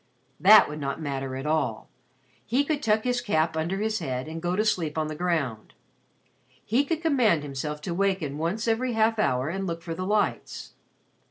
That would not matter at all. He could tuck his cap under his head and go to sleep on the ground. He could command himself to waken once every half hour and look for the lights.